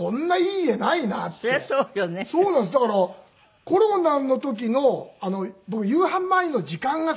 だからコロナの時の僕夕飯前の時間が好きで。